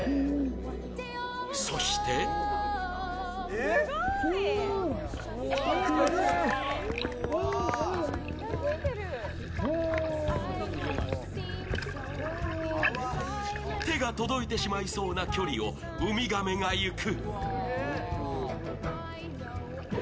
そして手が届いてしまいそうな距離をウミガメが行く。